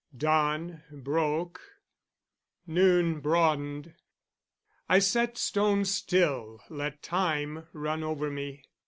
Dawn broke, noon broadened, I I sat stone still, let time run over me.